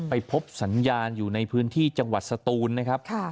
ไปพบสัญญาณอยู่ในพื้นที่จังหวัดสตูนนะครับ